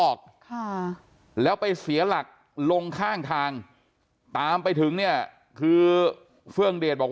ออกค่ะแล้วไปเสียหลักลงข้างทางตามไปถึงเนี่ยคือเฟื่องเดชบอก